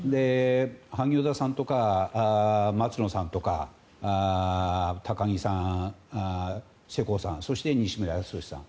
萩生田さんとか松野さんとか高木さん、世耕さんそして、西村康稔さん。